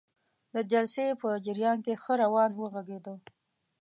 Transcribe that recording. د جلسې په جریان کې ښه روان وغږیده.